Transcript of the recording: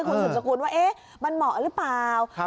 คนสูญสกุลว่าเอ๊ะมันเหมาะหรือเปล่า